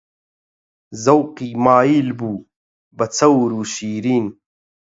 زەوقی مایل بوو بە چەور و شیرین